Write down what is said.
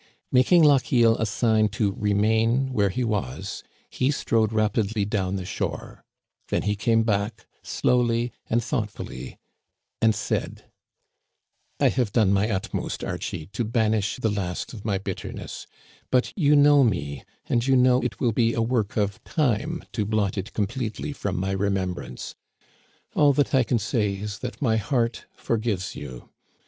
Making Lochiel a sign to remain where he was, he strode rapidly down the shore ; then he came back slowly and thoughtfully, and said: •* I have done my utmost, Archie, to banish the last Digitized by VjOOQIC 232 THE CANADIANS OF OLD. of my bitterness ; but you know me, and you know it will be a work of time to blot it completely from my re membrance. All that I can say is that my heart forgives you.